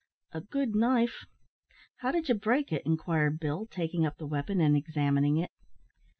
"A good knife! How did ye break it?" inquired Bill, taking up the weapon and examining it.